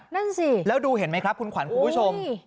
นั่นสิแล้วดูเห็นไหมครับคุณขวัญคุณผู้ชม